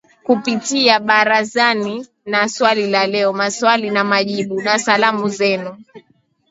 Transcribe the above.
Kupitia ‘Barazani’ na ‘Swali la Leo’, 'Maswali na Majibu', na 'Salamu Zenu'